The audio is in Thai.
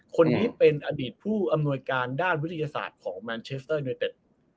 คนที่เป็นอดีตผู้อำนวยการด้านวิทยาศาสตร์ของวิทยาลัยเบ็ด